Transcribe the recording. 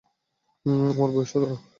আমার বয়স সতেরো।